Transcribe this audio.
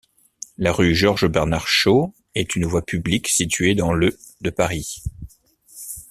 La rue George-Bernard-Shaw est une voie publique située dans le de Paris.